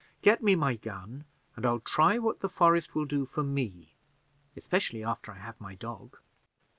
Get me my gun, and I'll try what the forest will do for me especially after I have my dog."